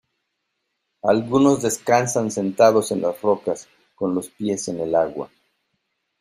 algunos descansan sentados en las rocas, con los pies en el agua: